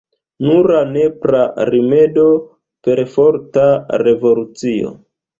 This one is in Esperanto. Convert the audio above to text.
Nura nepra rimedo: perforta revolucio.